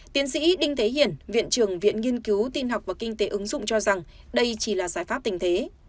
tiến sĩ đinh thế hiển viện trưởng viện nghiên cứu tin học và kinh tế ứng dụng cho rằng đây chỉ là giải pháp tình thế